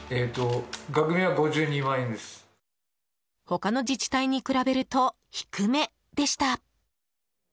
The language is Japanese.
他の自治体に比べると低めでした。